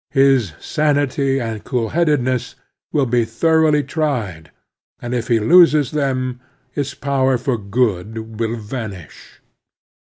His sanity and cool headedness will be thoroughly tried, and if he loses them his power for good will vanish.